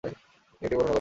তিনি এটি বর্ণনা করেন।